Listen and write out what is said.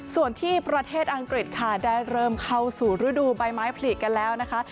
ส่วนที่ประเทศอังกฤษค่ะได้เริ่มเข้าสู่ฤดูใบไม้ผลิกันแล้วนะคะ